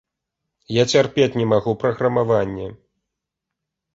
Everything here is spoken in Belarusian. Я цярпець не магу праграмаванне.